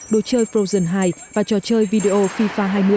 đồ chơi frogen hai và trò chơi video fifa hai mươi